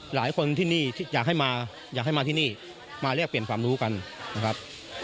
หลายคนที่นี่อยากให้มาอยากให้มาที่นี่มาแลกเปลี่ยนความรู้กันนะครับ